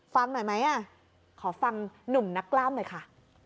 ฟังหน่อยไหมขอฟังหนุ่มนักกล้ามหน่อยค่ะ